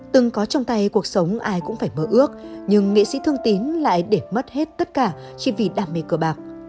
từng có trong tay cuộc sống ai cũng phải mơ ước nhưng nghệ sĩ thương tín lại để mất hết tất cả chỉ vì đam mê cờ bạc